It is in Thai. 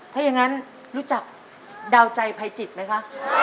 ถ้าอย่างนั้นรู้จักดาวใจภัยจิตไหมคะ